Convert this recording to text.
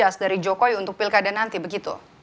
dari jokowi untuk pilkada nanti begitu